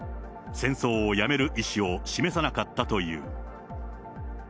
戦争をやめる意思を示さなかったという。